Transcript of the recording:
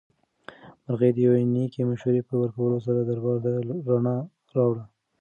مرغۍ د یوې نېکې مشورې په ورکولو سره دربار ته رڼا راوړه.